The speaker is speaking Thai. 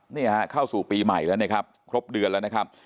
นี่ฮะเข้าสู่ปีใหม่แล้วนะครับครบเดือนแล้วนะครับ